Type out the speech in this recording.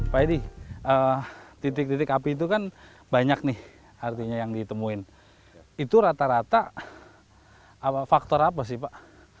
pak edi titik titik api itu kan banyak nih artinya yang ditemuin itu rata rata faktor apa sih pak